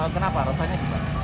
kenapa resahnya gimana